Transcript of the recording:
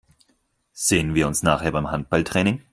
Sehen wir uns nachher beim Handballtraining?